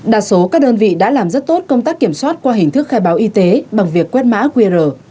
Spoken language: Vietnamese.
đa số các đơn vị đã làm rất tốt công tác kiểm soát qua hình thức khai báo y tế bằng việc quét mã qr